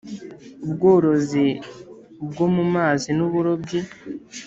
ubworozi bwo mu mazi n uburobyi